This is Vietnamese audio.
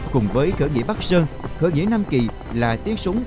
cùng với khởi nghĩa bắc sơn khởi nghĩa nam kỳ là tiến công đối với quân đội